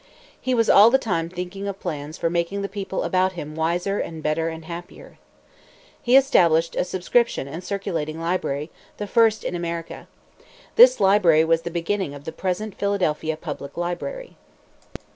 He was all the time thinking of plans for making the people about him wiser and better and happier. He established a subscription and circulating library, the first in America. This library was the beginning of the present Philadelphia Public Library.